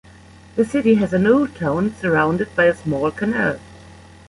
The city has an old town, surrounded by a small canal.